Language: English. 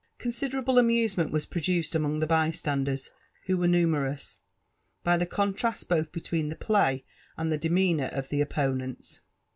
Considerable amusement was produced among the bystaadtrt, wii* were numergOs, by the contrast both between the pif y and the de*% aeaoour of the opponents.